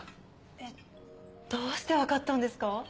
えっどうして分かったんですか？